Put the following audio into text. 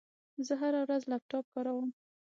زه هره ورځ لپټاپ کاروم.